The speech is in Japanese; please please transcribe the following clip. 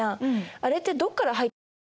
あれってどこから入ってきたの？